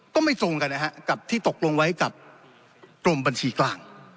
ก็ไม่ตรงกันนะฮะกับที่ตกลงไว้กับกรมบัญชีกลาง